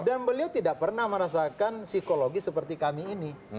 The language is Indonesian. dan beliau tidak pernah merasakan psikologi seperti kami ini